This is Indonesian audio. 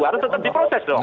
harus tetap diproses dong